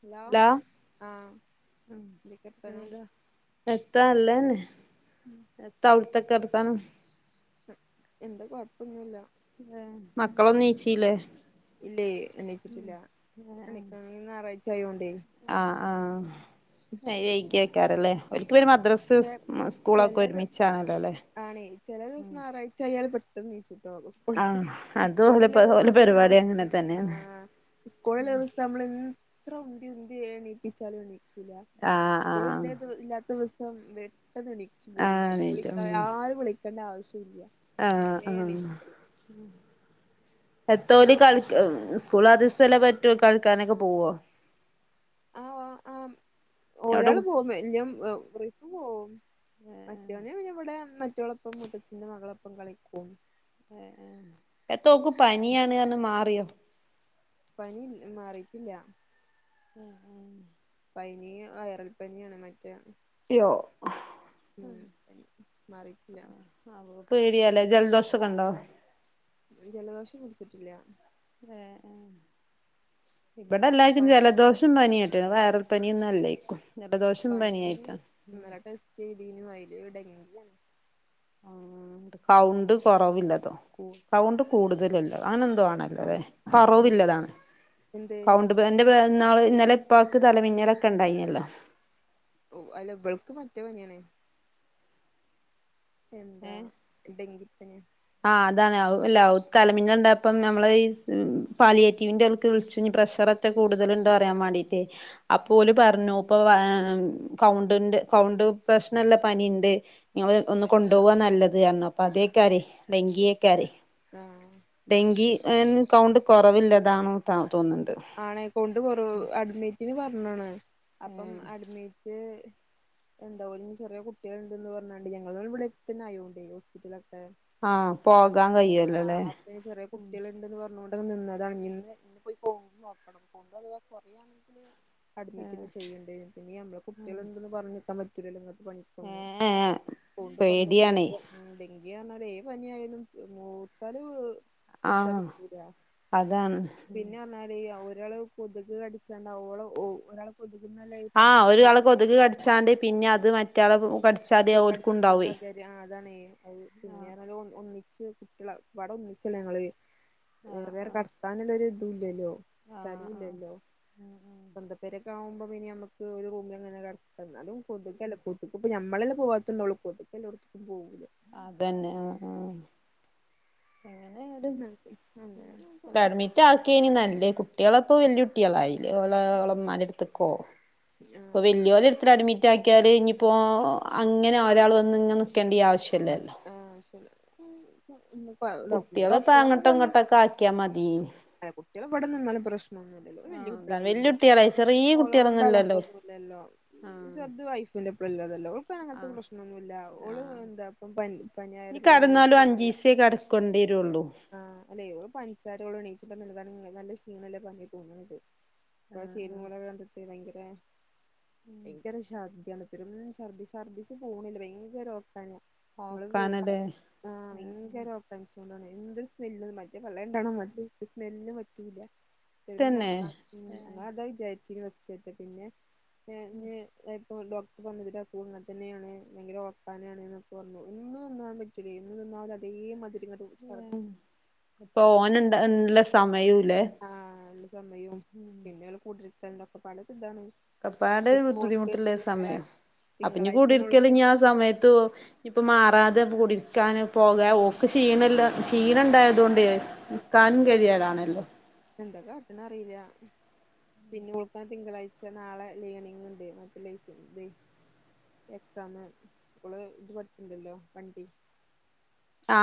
Hello ആ വിളിക്കട്ടെ ഞാൻ എത്രാ അല്ലേന്ന [unintelligible] എന്താവിടുത്ത വർത്താനം എന്താ കൊഴപ്പൊന്നുമില്ല മക്കളൊന്നും നീച്ചില്ലേ ഇല്ല അണയിച്ചിട്ടില്ലനക്ക അ ഞായറഴ്ച ആയോണ്ടേ ആ ആഹ എഴക്ക് വെക്കാറല്ലേ ഒൽക്ക് പിന്നെ മദ്രാസ് ചെ സ്കൂളൊക്കെ ചെലത് ഒരുമിച്ചാണല്ലോ ല്ലേ ആണേ ചെല ദിവസം ഞായറാഴ്ച അയാൽ പെട്ടെന്ന് നീചൂട്ടോ സ്കൂള ആഹ് അത് ഓലെ സ്കൂളില ഓലെ വ്യവസ്ഥ പരിപാടി അങ്ങനെ തന്നെയാണ് ആഹ് സ്കൂളിൽ വ്യവസ്ഥ നമ്മള് ൻ എത്ര ഉന്തി ഉന്തി എണീപ്പിച്ചാലും എണീ ക്കുല ആഹ് സ്കൂള് ആഹ് ഇല്ലേ ഇല്ലാത്ത ദിവസം പെട്ടെന്ന് എണീച്ചു പോരും ആഹ് ചെയ്യും വിളി എണീറ്റു ഉം ഓരെ വിളിക്കേണ്ട ആവശ്യല്ല ആഹ് ആഹ് എത്തോ ഒരു കൾ സ്കൂൾ ആ ദിവസല്ലേ പറ്റു കളിക്കാനൊക്കെ പോവോ ആഹ് ആഹ് അവിടെ ഒരാള് പോകും വല് റിഫു പോകും മറ്റവന് പിന്നെ ഇവിടെ മറ്റളൊപ്പം മുത്തച്ഛന്റെ മകളൊപ്പം കളിക്കും എത്തോക്ക് പനിയാണ് ർത്ത് മാറിയോ പനി മാറിക്കില്ല ഉം ഉം പനി വയറൽ പനിയാണ് മറ്റേ യോ ഉം മറിട്ടില്ല ആഹ് പേടിയാലേ ജലദോഷക്കെ ഇണ്ടോ ജലദോഷം പിടിച്ചിട്ടില്ല ഇവിടെല്ലാർക്കും പ ജലദോഷം പനിയ റ്റത് വയറൽ പനി ഒന്നും അല്ലായ്ക്കും പനി ഇന്നല്ലെ ടെസ്റ്റ് ചെയ്തിനു അയ്ല് ഡെങ്കിണ് ആഹ് ത് കൗണ്ട് കൊറവില്ലതോ കൗണ്ട് കൂടുതലല്ലോ അങ്ങനെന്തോ ആണല്ലോ ല്ലേ എൻ കൊറവില്ലതാണ് എന്ത് ക [unintelligible] ന്നാള് ഇന്നലെ ഇപ്പാക്ക് തലമിന്നലൊക്കെ ഉണ്ടായിനല്ലോ ഓ അല്ല വൾക്ക് മറ്റേ പനിയാണ് എന്താ ഏഹ് ഡെങ്കിപ്പനിയ ആഹ് അതാണ് [unintelligible] തല മിന്നലിണ്ടായപ്പോ നമ്മള് ഈ പാലിയേറ്റീവിന്റൊൽക്ക് വിളിച്ചിനി പ്രഷറ കൂടുതല് ഉണ്ടോറിയാൻ വേണ്ടീട്ട് അപ്പോലും പറഞ്ഞു ഇപ്പൊ കൗണ്ട്ന്റെ കൗണ്ട് പ്രശ്നല്ല പനിയിണ്ട് ങ്ങള് ഒന്ന് കൊണ്ടുപോവാ നല്ലത് കാരണ അപ്പതേക്കെയാരെ ഡങ്കിയെക്കാരെ ആഹ് ഡെങ്കി ങ് കൗണ്ട് കൊറവില്ലതാണോ ത തോന്ന്ണ്ട് ആണേ കൊണ്ട് കൊറവ് അഡ്മിറ്റിന് പറഞ്ഞ്ണ് അപ്പം അഡ്മിറ്റ് ഉണ്ടൊന്ന് ചെറിയ കുട്ടയൾണ്ടെന്ന് പറഞ്ഞാണ്ട് ഞങ്ങൾ ഇവിടെ തന്നെ ആയോണ്ടേ ഹോസ്പിറ്റലൊക്കെ ആഹ് പോകാൻ ആഹ് കഴിയുവല്ലോല്ലേ അപ്പേ ചെറിയ കുട്ടികൾ ഇണ്ടന്ന് പറഞ്ഞോ നിന്നതാണ് ഇന്ന് ഇന്നിപ്പോ ഈ പോവുമ്പം നോക്കണം കൗണ്ട് അതവ കൊറയാണെങ്കില് അഡ്മിറ്റിന്ന് ചെയ്യേണ്ടേ പിന്നെ നമ്മള് കുട്ടികളുണ്ടെന്ന് പറഞ്ഞിക്കാൻ പറ്റൂല്ലല്ലോ നിങ്ങക്ക് പണി ഏഹ് സ്കൂണ്ട് കുറഞ്ഞ് പേടിയാണേ തേക്കാ മ്മ് ഡെങ്കി പറഞ്ഞാല് ഏത് പനിയായാലും മൂത്താല് കുടിച്ച ആഹ് [unintelligible] അതാണ് പിന്നാ [unintelligible] ഒരാള് കൊതുക് കടിച്ചാണ്ട് ഓള് ഒരാൾ കൊതുകിന്നലെ ഈ ആഹ് [unintelligible] ഒരാളെ കൊതുക് കടിച്ചാണ്ട് പിന്നെ അത് മറ്റാളെ കടിച്ചാതെ കടിച്ചുമ്പോ ഓൽക്കുണ്ടാവേ പകര അതാണ് അത് പിന്നെ ർഞ്ഞാല് ഒന്ന് ഒന്നിച്ച് കുട്ടികള ഒക്കപാടെ ഒന്നിച്ചല്ലേ ഞങ്ങള് വേറെ വേറെ ആഹ് കടത്താനുള്ളൊരു ഇതുല്ലല്ലോ ആഹ് സ്ഥലൂല്ലല്ലോ സ്വന്ത പെരക്കെ ആവുമ്പം പിനി ഞമ്മക്ക് ഒരു റൂമിൽങ്ങനെ കെട എന്നാലും കൊതുകല്ലേ കൊതുകിപ്പ ഞമ്മളല്ലേ പോവാത്തുണ്ടള്ളൂ കൊതുക്കെല്ലോട്ത്ത്ക്കും പോവൂല്ലേ അതന്നെ ആഹ് ആഹ് എങ്ങനെയായിലും അങ്ങനെ അഡ്മിറ്റ് റ്റാക്കെയിനി നല്ലേ കുട്ടികളെപ്പൊ വല്യ കുട്ടിക്കാളയില്ലേ ഓളെ ഓളെമ്മാൻ്റെട്ത്ത്ക്കോ ഇപ്പൊ ആഹ് വല്യല് എത്ര അഡ് റ്റാക്കിയാൽ ഇനിയിപ്പോ അങ്ങനെ ഒരാൾ വന്നിങ്ങ് നിക്കേണ്ടിയ ആവശ്യല്ലല്ലോ ആഹ് അശരി കുട്ടികളിപ്പ അങ്ങോട്ടയിങ്ങോട്ടൊക്കെ ആക്കിയാ മതി അല്ല കുട്ടികളിവിടെന്നിന്നാലും പ്രശ്നൊന്നുയില്ലല്ലോ അവര് വല്യ ആഹ് അതാണ് വല്യ കുട്ടികളായില്ലേ കുട്ടികളായി ചെറിയ കുട്ടികളൊന്നുല്ലല്ലോ [unintelligible] ഇല്ലല്ലോ ആഹ് ചെറുത് വൈഫിന്റെ [unintelligible] ഇപ്പങ്ങനത്തെ ആഹ് പ്രശ്നൊന്നുയില്ല ഓള് ആഹ് എന്താ ഇപ്പം പനി പനിയായാല് [unintelligible] കൊണ്ടിരുള്ളൂ ആ അല്ലേ ഇവൻ പനിച്ചാലും ഇവള് ഇണ്ണിച്ചിട്ടല്ലേയുള്ളൂ കാരണം നല്ല ക്ഷീണല്ല [unintelligible] ഇപ്പ [unintelligible] ഭയങ്കര ഭയങ്കര ശർദ്ദിയാണ് ഇപ്പയിരുന്ന് ശർദി ശർദ്ദിച്ച് പോണില്ല ഭയങ്കര ഓക്കാനം ഓക്കാനല്ലേ [unintelligible] ആ ഭയങ്കര [unintelligible] എന്തൊരു സ്മെല്ല് മറ്റേ [unintelligible] സ്മെല്ല് പറ്റൂല്ല തന്നെ നോക്കാം മ്മ് ഞങ്ങളത വിചാരിച്ച [unintelligible] പിന്നെ ദായിപ്പൊ ഡോക്ടർ പറഞ്ഞതിന്റെ അസുഖം അങ്ങനെത്തന്നെയാണ് ഭയങ്കര ഓക്കാനാണെന്ന് [unintelligible] [unintelligible] അതേ മധുരിങ്ങാട്ട് [unintelligible] ഇപ്പോനുണ്ടയില്ല സമയുയില്ലെ ആ നല്ല സമയവും പിന്നെ അവള് [unintelligible] പലതിതാണ് ആപ്പാട് ബുദ്ധിമുട്ടുള്ള സമയം അപ്പിന്നി തിങ്കളാഴ്ചയാണ് കൂടിരിക്കല് ഓൾക്ക് ഇനി ആ സമയത്തു ഇപ്പൊ മാറാതെ കുടിരിക്കാാന് പോകാ ഒക്കെ ക്ഷീണല്ല ക്ഷീണ ഉണ്ടായതുക കൊണ്ടേ ക്കാനും കെതിയേടാണല്ലോ എന്താ കാട്ടണേ അറിയില്ല പിന്നെ ഓൾക്കാ തിങ്കളാഴ്ച നാളെ ലേണിംഗ്യിണ്ട് മറ്റേ [unintelligible] എക്സാമ് ഇവള് ഇത് പഠിച്ചിണ്ടല്ലോ വണ്ടി ആ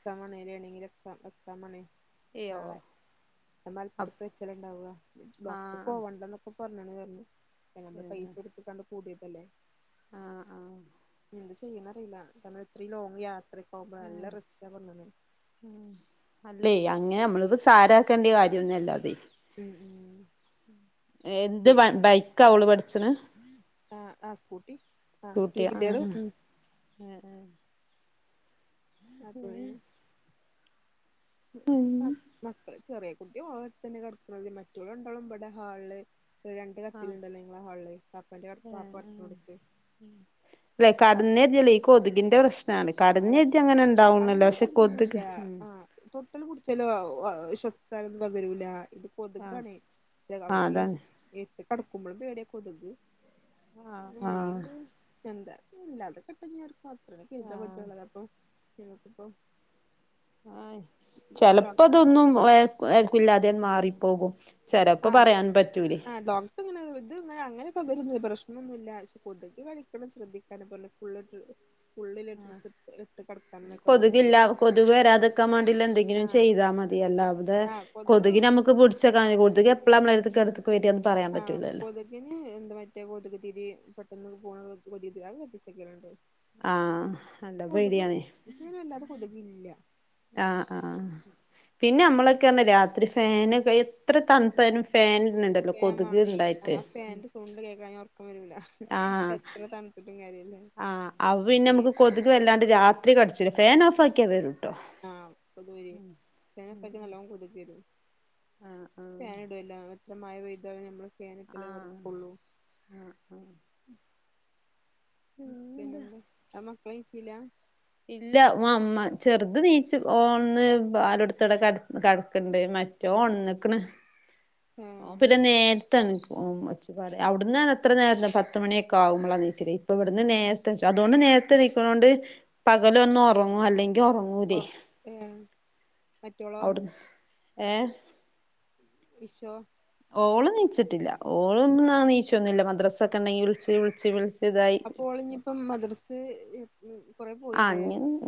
[unintelligible] എയോ നാളെ അത് മലപ്പുറത്ത് വെച്ചാലുണ്ടാവുവ ഡോക്ടർ ആഹ് പോവണ്ടന്നൊക്കെ പറഞ്ഞാണ് [unintelligible] നമ്മള് പൈസ എടുത്ത് കണ്ട് കൂടിയതല്ലേ ആഹ ആഹ എന്ത് ചെയ്യണറിയില്ല നമ്മൾ ഇത്രയും ലോങ് യാത്രക്ക്കുമ്പോ നല്ല റിസ്ക്കാ [unintelligible] അല്ലേ അങ്ങനെ നമ്മളിപ്പോ സാരക്കേണ്ട കാര്യൊന്നല്ല അതെ ഉം ഉം എന്ത് [unintelligible] ബൈക്കാ ഓള് പഠിച്ചണ് ആ ആഹ സ്കൂട്ടി ആഹ ടൂ വീലർ ഉ ആഹ ആ അതെ മക്കള് ചെറിയ കുട്ടിയ ഓലടുത്തു തന്നെ കടക്കണുന്നത് മറ്റുള്ളളുണ്ടോളും ഇവിടെ ഹാളില് രണ്ട് കത്തിൽുണ്ടല്ലോ നിങ്ങളെ ഹാളിൽ പപ്പൻ്റെ പാപ്പ പുത്ത കൊടുത്ത് [unintelligible] ഈ കൊതുകിന്റെ പ്രശ്നം [unintelligible] അങ്ങനെണ്ടാവണല്ലോ പക്ഷെ കൊതുക് ഉ തൊട്ടൽ കുടിച്ചാലോ ശ്വസിചാലും പകരൂല ഇത് ആഹ് ആഹ് [unintelligible] അതാണ് ഏത്ത് കടക്കുമ്പോഴും പേടിയ കൊതുക് ആഹ് ആഹ് അങ്ങനെയണ്ട് എന്താാത കെട്ട ർക്ക അത്ര കരുതാ ആഹ് പറ്റുള്ളത് അപ്പൊ [unintelligible] ആ ചെിലപ്പോ അതൊന്നുംഏൽക്കുള്ള മാറിപ്പോകും ചെലപ്പോ ആഹ പറയാൻ പറ്റൂലേ ആ ഡോക് നെ ഇത്ങ്ങനെ അങ്ങനെ പകര പ്രശ്നൊന്നുമില്ല പക്ഷെ കൊതുക്ി കളിക്കണം ശ്രദ്ധിക്കാനലെ [unintelligible] പറഞ്ഞത് കൊതുക്ില്ല കൊതുക് വരാതക്കാൻ വേണ്ടി എന്തെങ്കിലും ആഹ് ചെയ്താ മതി ആഹ് കൊതുക് [unintelligible] ആഹ പറ്റൂലല്ലോ പോത എന്താ മറ്റേ കൊതുക് തിരി പെട്ടെന്ന് പോണ കൊത [unintelligible] ആഹ എന്താ പേടിയണേ ഇങ്ങനെ അല്ലാതെ കൊടുവില്ല ആഹ ആഹ പിന്നെ നമ്മളൊക്കെന്നാ രാത്രി ഫാനൊക്കെ എത്ര തണുപ്പാ നും ഫാനിടും ഫ മാണാ ടി ഫാന്റെ സൗണ്ട് കേക്കാഞ്ഞാ ഉറക്കം വരൂല ആഹ് എത്ര തണു ത്തി ട്ടും കാര്യല്ല ആഹ് അത് പിന്നെ ഫാൻ നമുക്ക് കൊതുക് വല്ലാണ്ട് രാത്രി കടിച്ച് ഫാൻ ഓഫ് ആക്കിയാ വരൂട്ടോ ആഹ കൊ തുവരി ഫാൻ ഓഫാക്കിയ പ് നല്ലോണം കൊതുക്കരും ആഹ് ആഹ് ഫാനിടല്ല അത്ര മഴ പൈ താലേ നമ്മൾ ഫാനിട്ടല്ലേ കെ ആഹ് ടുകുള്ളൂ അമ്മക്ക ലെയ് ചില്ല ഇല്ല അമ്മ ചെറുത് നീച്ച് ഓന്ന് പാലടുത്തടെ കട കടക്കണ്ട്മ റ്റൊ ണണ്ണിക്കണ് ഓ ഏഹ് പിന്നെ നേ ഒച്ചപാട് അവിന്ന് അത്ര നേരം പത്ത് മണിയൊക്കെ ആകുമ്പോളാണ് നമ്മലെണീച്ചല് ഇപ്പ ഇവിടുന്ന് നേ അതുകൊണ്ട് നേരത്തെണി ക്കുന്നോണ്ട് പകലൊന്ന് ഉറങ്ങും അല്ലെങ്കിൽ ഉറങ്ങ ങ്ങൂ ലി ഒർ ഏഹ് മറ്റോളോ അവിടുന്ന് ഏഹ ഈ്ർ ഓളെ നീച്ചിട്ടില്ല ഓളൊന്നും നീച്ചൊന്നുമില്ല മദ്രസൊ ക്കെ ഉണ്ടെങ്കിൽ വിളിച്ച് വിളിച്ച് വിളി അപ്പോളി ന്നി ഇപ്പം മദ്രസെ കുറെപോ ആ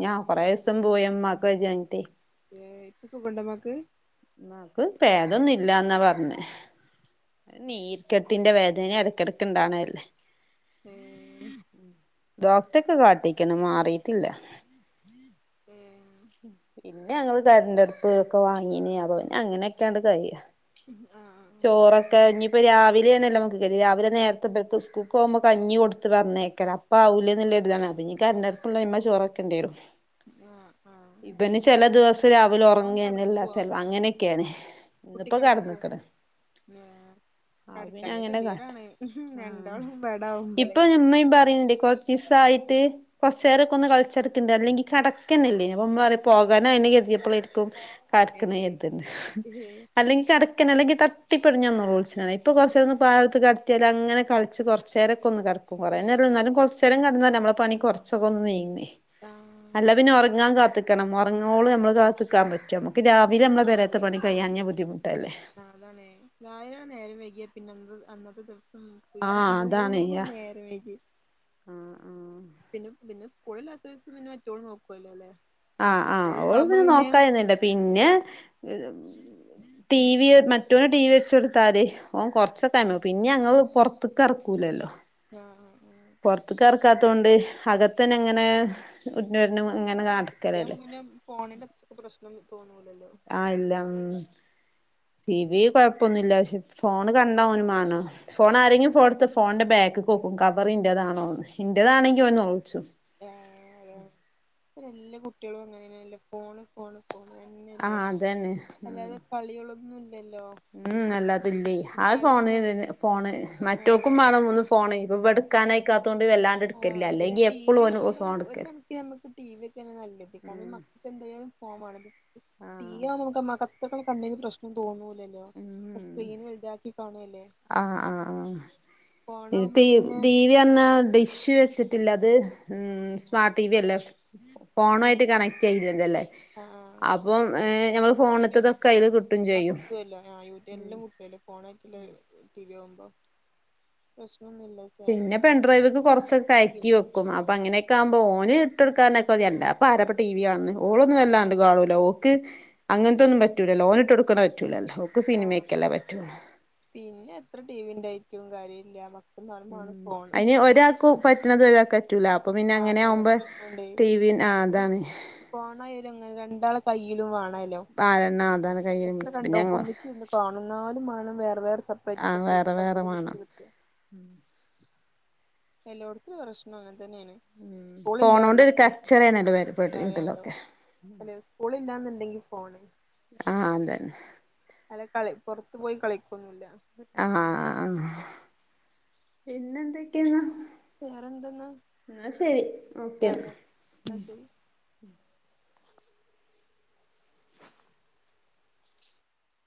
ഞാൻ കുറേ ദിവസം പോയ്മ്മാക്ക് വയ്യാഞ്ഞിട്ട് ഏ ഇപ്പൊ സുഖണ്ടമാക്ക് മ്മാ ക്ക് ഭേദൊന്നും ഇല്ലാ ന്നാ പറഞ്ഞേ നീർ ക്കെട്ടിന്റെ വേദന ഇടക്കിടക്ക ഇണ്ടാവണല്ലേ ഏഹ് ഡോക്ടൊട്ടെ കാട്ടിക്ക് ണ് മാറിട്ടില്ല മം പിന്നെ ഞങ്ങള്കരണ്ടടുപ്പ് ഒക്കെ വാങ്ങീന് അപ്പ പിന്നെ അങ്ങനെയൊക്കെയങ്ങ് കഴിയ ആഹ് ചോറൊക്കെ ഇനി ഇപ്പ രാവിലെയാ ണല്ലോ നമുക്ക്റി രാവിലെ നേരത്തെ സ്കൂക്ക് പോകുമ്പോക്ക് കഞ്ഞി കൊടുത്ത് പറഞ്ഞേക്കലാ പാവല്ലേ നല്ല ഇതാണ് അപ്പ ഇനി കരണ്ട ടുപ്പുള്ളഇ മ്മ ചോറൊക്കേ ണ്ടിവരും ആഹ ആഹ ഇപ്പന്ന ചില ദിവസം രാവിലെ ഉറങ്ങെ ന്നല്ല കെടക്കോ ചെ ല അങ്ങനെക്കെയാണ് ഇന്നിപ്പോ കടന്നക്കണ് ആ കടക്കാ അങ്ങനെ കാ ഗതിയേ ടാണ് ആഹ് രണ്ടോളും മ്പേടാവുമ്പളേ ചിസ്സ ആയിട്ട് കൊറചേരൊക്കെ ഒന്ന് കളിച്ചെടുക്കണ്ടണ്ട് അല്ലെങ്കി കിക്കന്നല്ലേനു അപ്പ ഉമ്മ പറയും പോകാനായെന്ന് കരുതിയപ്പോളായിരിക്കും കെ ഏഹ് ടക്കണതിണ്ട് ഏഹ് അല്ലെങ്കിൽ കെ അല്ലെങ്കി തട്ടിപ്പിടിഞ്ഞ റൾസിന ഇപ്പ കുറച്ചന്ന് പാല് കൊടുത്ത് കടത്തിയാല് അങ്ങനെ കളിച്ച് കുറച്ച് കുറച്ചേരക്ക ഒന്ന് കിടക്കും കുറേനേര ല്ല എന്നാലും കുറ ച്ചേരം കിന്നാലല്ല നമ്മള പണി കുറച്ചൊ ഒന്ന് നീങ്ങേ ആ അല്ല പിന്നെ ഉറങ്ങാൻ കത്തിൽക്കണം മറങ്ങോളം നമ്മൾ കാത്ത്ൽക്കാൻ പറ്റോ നമുക്ക് രാവിലെ നമ്മെ പെരേത്തെ പണി കഴിയാഞ്ഞാൽ ബുദ്ധിമുട്ടല്ലേ നതാണേ നാ യിരണ നേരം വൈകിയ പിന്നെ അന്നത്തെ ദിവസം ആഹ് മുഴുവവും നേരവയ്കി ആ ഹ് ആഹ് പിന്നെ പിന്നെ സ്കൂളില്ലാത്ത ദിവസം പിന്നെ മറ്റോള് നോക്കുവല്ലേ ല്ലേ ആഹ് ആഹ ഓള് പിന്നെ നോക്കാനൊന്നില്ല പിന്നെ ടീവി യോ ഇവന് ന് ടി വി വെച്ചൊടുത്താ തി ഓൻ കുറച്ചെ കാണു പിന്നെ ഞങ്ങൾ പുറത്തെ ക്ക് ഇറക്കൂലല്ലോ ആഹ് ആ ആ പൊറ റത്ത് ക്കെ റക്കാത്തോ ണ്ട് അകത്തന്നെ ഇങ്ങനെ ഉരുണ്ട് രുണ്ട് ഇങ്ങനെന ടക്കലല്ലേ ആഹ് പിന്നെ ഫോണിന്റെ അത്രൊക്ക് ക്കെ പ്രശ്നം തോന്നൂലല്ലോ ആ ഇല്ല ടി വി കൊഴപ്പൊന്നി ല്ല പക്ഷെ ഫോണ് കണ്ട ഓന് മേണം ഫോൺ ആരെങ്കി ഫോൺട്ത്ത ഫോൺന്റെ ബാക്കികൊക്കും കവറ് ഇന്റേതാണോന്ന്, ഇന്റേതാണെങ്കിൽ ഓൻ ന്നോൽച്ചും. ഏ പ്പ ഏല്ലാ കുട്ടീളും അങ്ങനെന്നെല്ലേ ഫോണ് ഫോണ് പോണന്നെയല്ലേ ആഹ് അതന്നെ അല്ലാതെ കളിയാളൊന്നും ഇല്ലല്ലോ. ഉം അല്ലാത്തില്ലേ ആ കളി ഫോണ് തന്നെ ഫോണ് മറ്റൊൾക്കും ആഹ് മാണം ഒന്ന് ഫോണ് ഇവട്ക്കാനായക്കാതൊണ്ട് വല്ലാണ്ട് ട്ക്കലില്ല അല്ലെങ്കി എപ്പളും ഓന് ഫോൺ എടുക്കല് ഞമ്മക്ക് ടി. വി ഒക്കെന് നല്ലത് കാരണം മക്കക്ക് എന്താലും ഫോം മാണം ടി. വി ആഹ് [unintelligible] [unintelligible] കണ്ണിന് പ്രശ്നം തോന്നൂലല്ലോ സ്ക്രീന് വൽതാക്കി കാണ്ല്ലേ. ആഹ്‌ ആ ആ [unintelligible] തീ പിന്നെ [unintelligible] ഡിഷ് വെച്ചിട്ടില്ല അത് ഹമ് സ്മാർട്ട് ടി. വി അല്ലേ ഫോണായിട്ട് കണക്ട് ചെയ് [unintelligible] അല്ലേ. ആഹ് അപ്പം ഞമ്മള് ഫോണില് ഫോണ്ത്തതൊക്കെ അയില് കിട്ടും ചെയ്യും. ഫോണക്കില് രിയാകുമ്പോ പ്രശ്നൊന്നുല്ല. പക്ഷെ പിന്നെ പെൺഡ്രൈവ്ക്ക് കൊറച്ചൊക്കെ കയറ്റി പിന്നെ വെക്കും അപ്പൊ അങ്ങനേ ക്കാവും മ്പോ ഓന് ഇട്ടെടുക്കാനക്കെ മതി എല്ലാപ്പ ആരപ്പ ടി. വി കാൻണ് ഓളൊന്നു വല്ലാണ്ട് കാണൂല ഓക്ക് അങ്ങൻത്തൊന്നും പറ്റൂലല്ലൊ ഓന് ട്ടൊടുക്ക്ന പറ്റൂലല്ലോ ഓക്ക് ആഹ് സിനിമയ്ക്കല്ലേ പറ്റൂ പിന്നെ എത്ര ടി വിന്റായ്റ്റും കാര്യഇല്ല ഉം അയിനി ഒരാ ക്കു പറ്റ്ണത് ഒരാക്കറ്റൂല അപ്പൊ പിന്നെ ആ അങ്ങനെ അങ്ങനത്തെ ആവുംമ്പോ ടി. വി ആഹ്‌ അതാണ്. പോണായാലും അങ്ങനെ രണ്ടാള കയ്യിലും വാണല്ലൊ. പാരണ്ണതാണ് എത്ര കണ്ടോ ഒന്നിച്ചിഇരുന്നു കാണും ന്നാലും വാണം വേറെ വേറെ അപ്പ് ആ സപ്പായിട്ട് വേറെ വേറെ കയ്യിൽ മുടിച്ചു വേണം കിട്ടിയ എല്ലോട്ത്തൊരു പ്രശനം അങ്ങൻ തന്നെയേണ്. സ്കൂള് ഇല്ല ഫോണോണ്ട് എന്നാ ഒരു പോണ കച്ചറയാണല്ലോ പറയണ്ടോ വീട്ടിലൊക്കെ അല്ലേ സ്ക്കൂള് ഇല്ലാന്ന്ണ്ടെങ്കി ഫോണ് ആഹ്‌ അതന്നെ. [unintelligible] പൊറത്തു പോയി കളിക്കൊന്നുല്ല ആഹ്‌, പിന്നെ എന്തൊക്കെയന്ന്? വേറെന്തെന്നാ ആഹ്‌ ശരി ആ ഓക്കെന്ന. എന്നാ ശരി